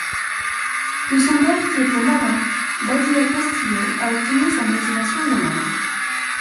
De son père qui était marin, Badilla Castillo a obtenu sa motivation nomade.